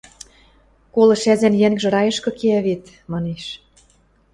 колыш ӓзӓн йӓнгжӹ райышкы кеӓ вет, – манеш.